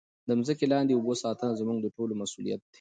د مځکې لاندې اوبو ساتنه زموږ د ټولو مسؤلیت دی.